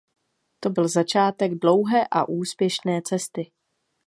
To byl začátek dlouhé a úspěšné cesty.